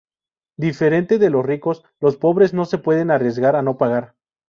Diferente de los ricos, los pobres no se pueden arriesgar a no pagar.